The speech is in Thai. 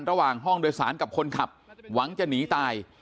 ระหว่างห้องโดยสารกับคนขับหวังจะหนีตาย